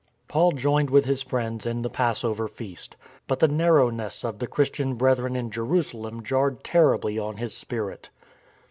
Paul joined with his friends in the Passover Feast; but the narrowness of the Christian Brethren in Jeru salem jarred terribly on his spirit.